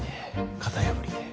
型破りで。